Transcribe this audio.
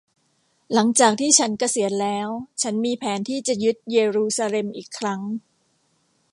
หลังจากที่ฉันเกษียณแล้ว ฉันมีแผนที่จะยึดเยรูซาเล็มอีกครั้ง